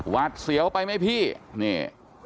หวัดเสียวไปไหมพี่นี่